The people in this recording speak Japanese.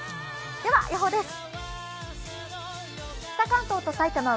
では、予報です。